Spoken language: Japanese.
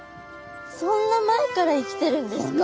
そんな前から生きてるんですか？